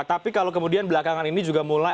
tapi kalau kemudian belakangan ini juga mulai